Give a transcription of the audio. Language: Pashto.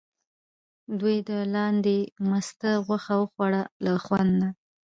دوی د لاندي مسته غوښه وخوړه له خوند نه.